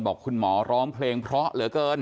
บอกคุณหมอร้องเพลงเพราะเหลือเกิน